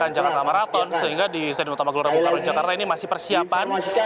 dan jakarta marathon sehingga di stadion utama gelora bung karno jakarta ini masih persiapan